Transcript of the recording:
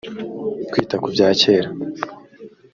kwita ku bya kera